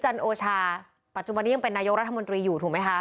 โอชาปัจจุบันนี้ยังเป็นนายกรัฐมนตรีอยู่ถูกไหมคะ